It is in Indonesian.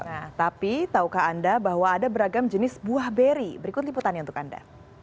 nah tapi tahukah anda bahwa ada beragam jenis buah beri berikut liputannya untuk anda